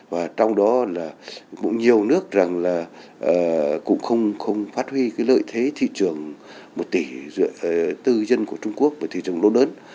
và trong đó là cũng nhiều nước rằng là cũng không phát huy cái lợi thế thị trường một tỷ dưới tư dân của trung quốc một thị trường lâu đớn